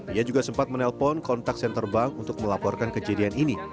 ia juga sempat menelpon kontak senter bank untuk melaporkan kejadian ini